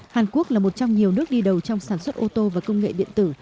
hàn quốc là một trong nhiều nước đi đầu trong sản xuất ô tô và công nghệ điện tử